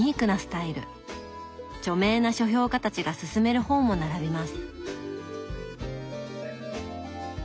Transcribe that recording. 著名な書評家たちがすすめる本も並びます。